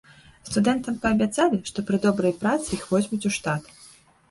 Студэнтам паабяцалі, што пры добрай працы іх возьмуць у штат.